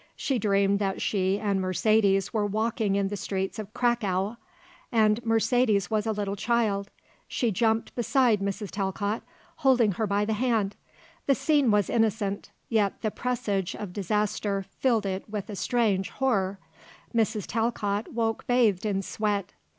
She dreamed that she and Mercedes were walking in the streets of Cracow, and Mercedes was a little child. She jumped beside Mrs. Talcott, holding her by the hand. The scene was innocent, yet the presage of disaster filled it with a strange horror. Mrs. Talcott woke bathed in sweat.